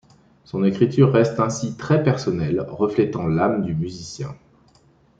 Son écriture reste ainsi très personnelle, reflétant l'âme du musicien.